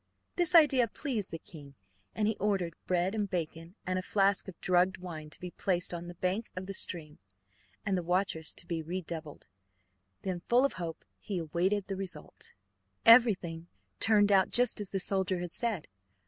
This idea pleased the king, and he ordered bread and bacon and a flask of drugged wine to be placed on the bank of the stream, and the watchers to be redoubled. Then, full of hope, he awaited the result. Everything turned out just as the soldier had said.